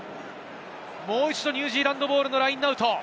もう一度ニュージーランドボールのラインアウト。